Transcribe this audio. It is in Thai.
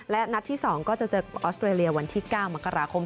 และนัดที่๒ก็จะเจอออสเตรเลียวันที่๙มกราคม